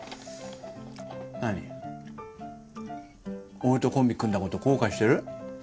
俺とコンビ組んだこと後悔してる？